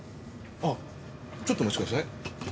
ああちょっとお待ちください。